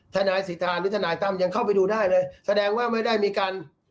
ทนายสิทธาหรือทนายตั้มยังเข้าไปดูได้เลยแสดงว่าไม่ได้มีการ